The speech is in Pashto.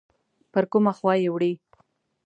پر کومه خوا یې وړي؟